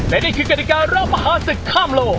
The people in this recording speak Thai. และนี่คือกฎิการรับมหาศึกข้ามโลก